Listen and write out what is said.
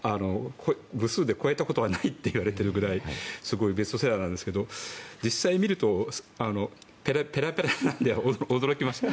部数で超えたことはないと言われているぐらいのベストセラーなんですけど実際、見るとペラペラなので驚きました。